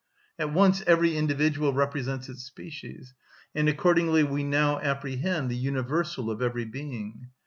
At once every individual represents its species; and accordingly we now apprehend the universal of every being.